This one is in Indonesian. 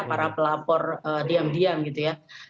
para pelapor diam diam gitu ya